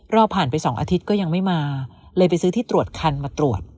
รอผ่านไป๒อาทิตย์ก็ยังไม่มาเลยไปซื้อที่ตรวจคันมาตรวจ